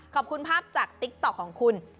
ขอบคุณภาพจากติ๊กต๊อกของคุณ